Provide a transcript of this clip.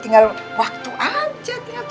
tinggal turun waktu aja kita